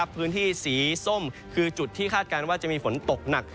พื้นที่สีส้มคือจุดที่คาดการณ์ว่าจะมีฝนตกหนัก